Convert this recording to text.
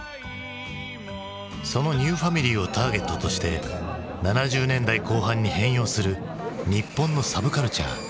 そのニューファミリーをターゲットとして７０年代後半に変容する日本のサブカルチャー。